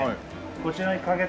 こちらにかけて。